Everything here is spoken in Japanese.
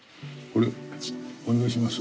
これお願いします。